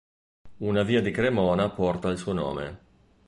Una via di Cremona porta il suo nome.